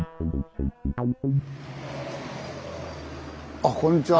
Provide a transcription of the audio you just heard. あこんにちは。